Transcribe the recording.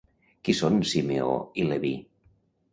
Qui són Simeó i Leví?